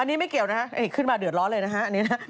อันนี้ไม่เกี่ยวนะครับเข้ามาเดือดร้อนเลยนะครับ